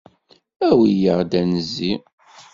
Awi-yaɣ ad d-nezzi.